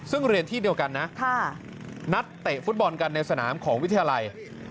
ซึ่งเรียนที่เดียวกันนะนัดเตะฟุตบอลกันในสนามของวิทยาลัย